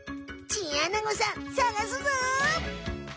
チンアナゴさんさがすぞ！